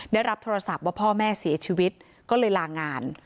ได้รับโทรศัพท์ว่าพ่อแม่เสียชีวิตก็เลยลางาน